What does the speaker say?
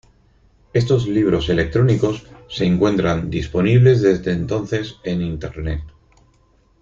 Estos libros electrónicos se encuentran disponibles desde entonces en Internet.